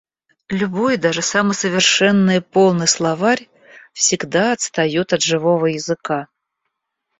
Любой даже самый совершенный и полный словарь всегда отстаёт от живого языка.